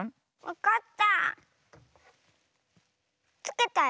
わかった。